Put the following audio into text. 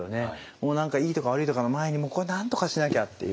もう何かいいとか悪いとかの前にこれなんとかしなきゃっていう。